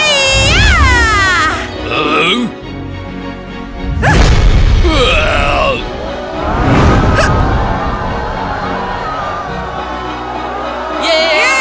yeay super asia super asia